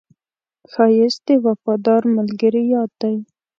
ښایست د وفادار ملګري یاد دی